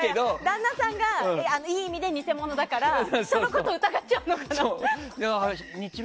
旦那さんがいい意味で偽物だからそのことを疑っちゃうのかな？